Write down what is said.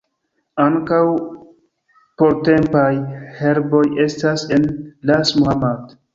Ankaŭ portempaj herboj estas en Ras Muhammad.